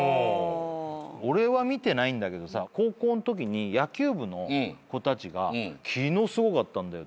俺は見てないんだけどさ高校のときに野球部の子たちが「昨日すごかったんだよ」